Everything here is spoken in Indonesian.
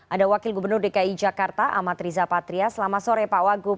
ada wakil gubernur dki jakarta amat riza patria selamat sore pak wagub